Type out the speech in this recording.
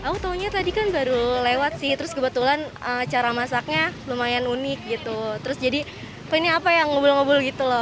usaha kuliner yang menanggung kiosk kaki lima ini